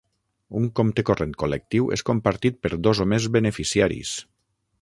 Un compte corrent col·lectiu és compartit per dos o més beneficiaris.